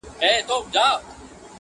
• یېګانه چي له آزادي زندګۍ سي -